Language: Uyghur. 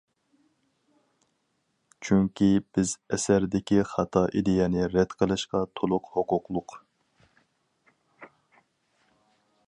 چۈنكى بىز ئەسەردىكى خاتا ئىدىيەنى رەت قىلىشقا تولۇق ھوقۇقلۇق.